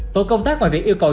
tổ công tác ngoài việc yêu cầu